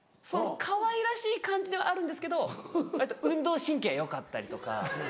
かわいらしい感じではあるんですけど割と運動神経はよかったりとか。